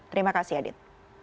terima kasih adit